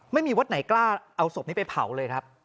ไม่มีวัดไหนกล้าเอาศพนี้ไปเผาเลยครับ